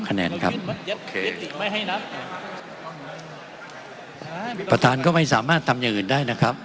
ไม่ให้นับประธานก็ไม่สามารถทำอย่างอื่นได้นะครับ